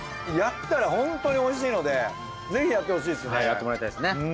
やったら本当においしいのでぜひやってほしいですね。